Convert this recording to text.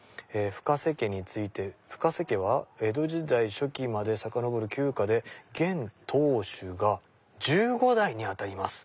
「深瀬家について深瀬家は江戸時代初期まで遡る旧家で現当主が１５代にあたります。